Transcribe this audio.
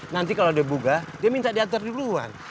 nanti kalau dia buga dia minta diantar duluan